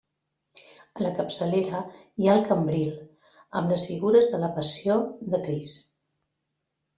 A la capçalera hi ha el cambril, amb les figures de la Passió de Crist.